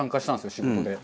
仕事で。